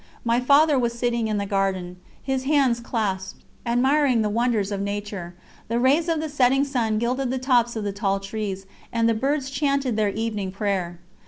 My Father was sitting in the garden, his hands clasped, admiring the wonders of nature. The rays of the setting sun gilded the tops of the tall trees, and the birds chanted their evening prayer.